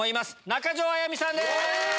中条あやみさんです。